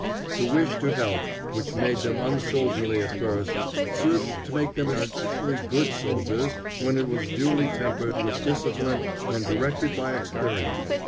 The wish to help, which made them unsoldierly at first, served to make them especially good soldiers when it was duly tempered with discipline and directed by experience.